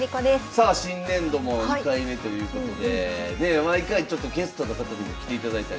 さあ新年度も２回目ということで毎回ちょっとゲストの方にも来ていただいたりなんかして。